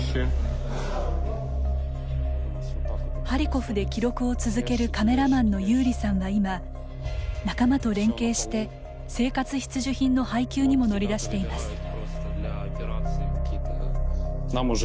ハリコフで記録を続けるカメラマンのユーリさんは今、仲間と連携して生活必需品の配給にも乗り出しています。